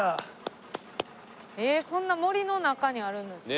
えっこんな森の中にあるんですね。